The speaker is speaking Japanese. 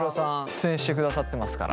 出演してくださってますから。